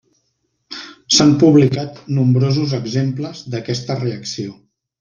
S'han publicat nombrosos exemples d'aquesta reacció.